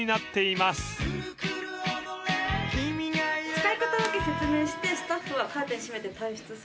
使い方だけ説明してスタッフはカーテン閉めて退出するって感じ。